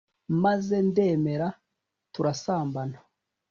maze ndemera turasambana